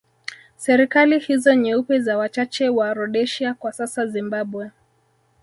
Serikali hizo nyeupe za wachache wa Rhodesia kwa sasa Zimbabwe